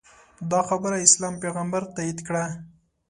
دا خبره اسلام پیغمبر تاییده کړه